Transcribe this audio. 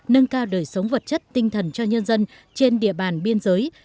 nâng cao đời sống vật chất tinh thần cho nhân dân trên địa bàn biên giới